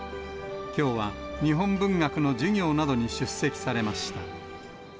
きょうは日本文学の授業などに出席されました。